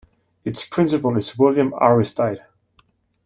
Its principal is William Aristide.